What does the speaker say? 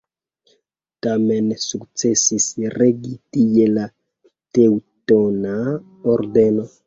Tamen sukcesis regi tie la Teŭtona Ordeno.